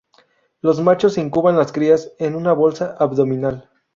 Los machos incuban las crías en una bolsa abdominal.